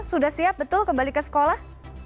sudah siap betul kembali ke sekolah